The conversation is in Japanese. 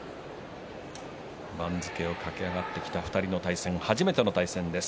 番付を駆け上がってきた２人の対戦、初めての対戦です。